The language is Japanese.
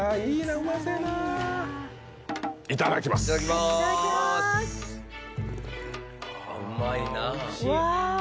うまいな。わ！